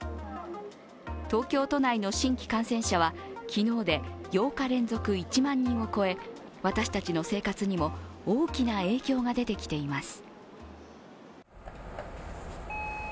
東京都内の新規感染者は昨日で８日連続１万人を超え私たちの生活にも大きな影響が出てきています。